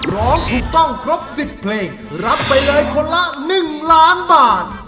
ร้องถูกต้องครบ๑๐เพลงรับไปเลยคนละ๑ล้านบาท